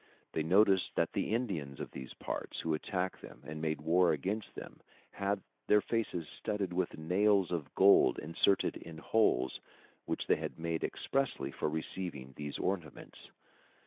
They noticed that the Indians of these parts who attacked them and made war against them, had their faces studded with nails of gold inserted in holes which they had made expressly for receiving these ornaments.